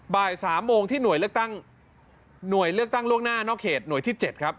บ่าย๓โมงที่หน่วยเลือกตั้งร่วมหน้านเขตหน่วยที่๗ครับ